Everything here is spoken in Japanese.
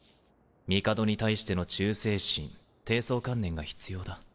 帝に対しての忠誠心貞操観念が必要だ。